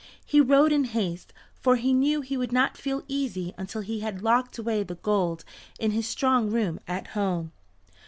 He rode in haste, for he knew he would not feel easy until he had locked away the gold in his strong room at home.